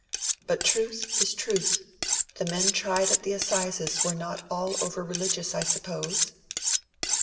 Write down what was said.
But truth is truth. The men tried at the assizes are not all over religious, I suppose."